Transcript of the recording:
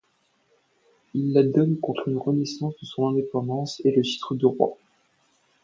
Ils la donnent contre une reconnaissance de son indépendance et le titre de roi.